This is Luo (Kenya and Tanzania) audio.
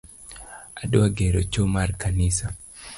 Adwa gero choo mar kanisa